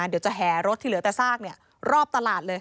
เดี๋ยวจะแห่รถที่เหลือแต่ซากรอบตลาดเลย